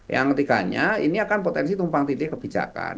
yang ketiganya ini akan potensi tumpang tindih kebijakan